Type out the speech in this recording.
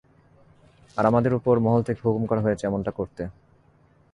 আর আমাদের উপর মহল থেকে হুকুম করা হয়েছে এমনটা করতে?